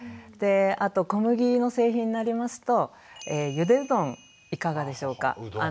あと小麦の製品になりますとゆでうどんいかがでしょうか。